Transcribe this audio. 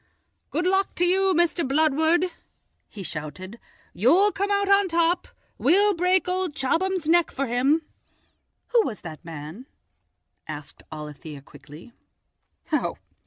"Good luck to you, Mr. Bludward," he shouted; "you'll come out on top! We'll break old Chobham's neck for him." "Who was that man?" asked Alethia quickly.